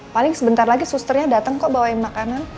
paling sebentar lagi susternya datang kok bawain makanan